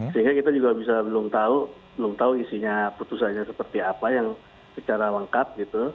sehingga kita juga bisa belum tahu isinya putusannya seperti apa yang secara lengkap gitu